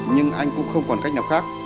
nhưng anh cũng không còn cách nhọc khác